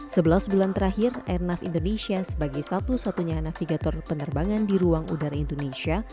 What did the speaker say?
sebelas bulan terakhir airnav indonesia sebagai satu satunya navigator penerbangan di ruang udara indonesia